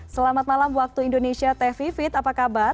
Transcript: selamat malam waktu indonesia teh vivit apa kabar